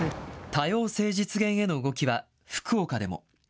多様性実現への動きは、福岡でも。